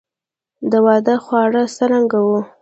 د واده خواړه څرنګه وو؟